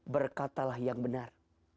berkatalah yang benar